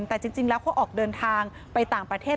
แต่จริงแล้วเขาออกเดินทางไปต่างประเทศ